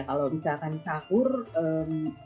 kalau misalkan syafur belum berjalan